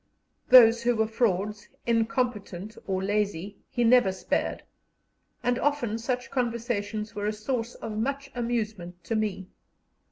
Those who were frauds, incompetent, or lazy, he never spared, and often such conversations were a source of much amusement to me.